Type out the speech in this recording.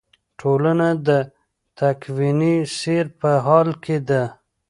ټولنه د تکویني سیر په حال کې ده.